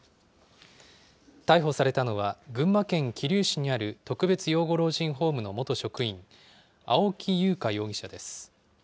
逮捕されたのは、群馬県桐生市にある特別養護老人ホームの元職員、青木優香容疑者です。